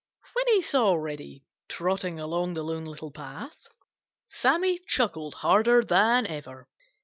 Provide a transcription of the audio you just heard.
When he saw Reddy trotting along the Lone Little Path, Sammy chuckled harder than ever.